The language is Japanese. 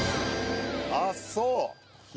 あっそう。